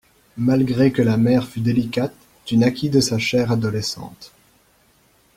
Malgré que la mère fut délicate, tu naquis de sa chair adolescente.